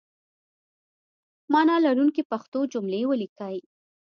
معنی لرونکي پښتو جملې ولیکئ!